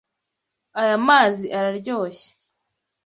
Aya mazi araryoshye.